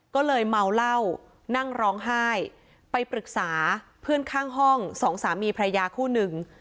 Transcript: ก็เลยเมาเหล้านั่งร้องไห้ไปปรึกษาเพื่อนข้างห้องสองสามีพระยาคู่หนึ่ง